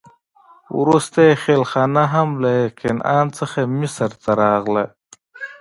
وروسته یې خېلخانه هم له کنعان څخه مصر ته راغله.